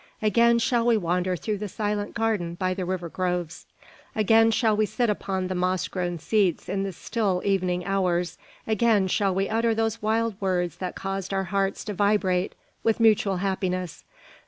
Again shall we wander through the silent garden by the river groves; again shall we sit upon the moss grown seats in the still evening hours; again shall we utter those wild words that caused our hearts to vibrate with mutual happiness!